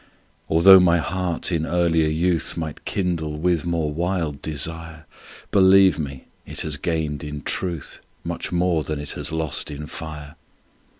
Altho' my heart in earlier youth Might kindle with more wild desire, Believe me, it has gained in truth Much more than it has lost in fire.